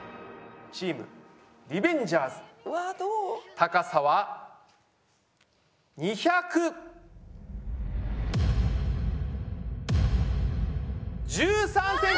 高さは２百１３ｃｍ！